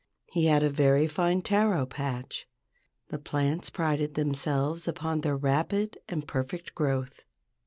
He had a very fine taro patch. The plants prided themselves upon their rapid and perfect growth.